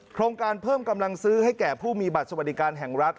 โครงการเพิ่มกำลังซื้อให้แก่ผู้มีบัตรสวัสดิการแห่งรัฐ